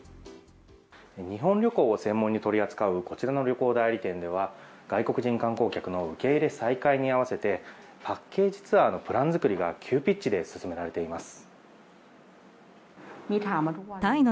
日本旅行を専門に取り扱うこちらの旅行代理店では外国人観光客の受け入れ再開に合わせてパッケージツアーのプラン作りが急ピッチで進められています。